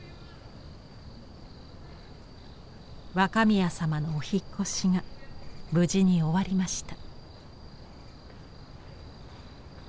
若宮様のお引っ越しが無事に終わりました。